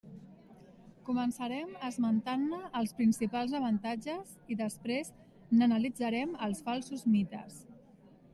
Començarem esmentant-ne els principals avantatges i després n'analitzarem els falsos mites.